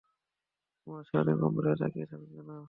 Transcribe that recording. তোমরা সারাদিন কম্পিউটারে তাকিয়ে থেকো না।